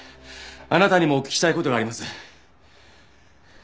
あなたにもお聞きしたい事があります。